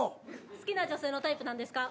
好きな女性のタイプ何ですか？